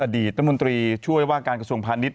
อดีตรัฐมนตรีช่วยว่าการกระทรวงพาณิชย